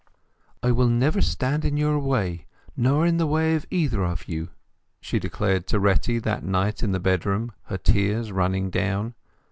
"I will never stand in your way, nor in the way of either of you!" she declared to Retty that night in the bedroom (her tears running down).